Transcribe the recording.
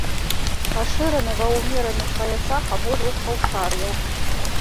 Пашыраны ва ўмераных паясах абодвух паўшар'яў.